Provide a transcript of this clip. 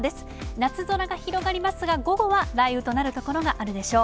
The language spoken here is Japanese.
夏空が広がりますが、午後は雷雨となる所があるでしょう。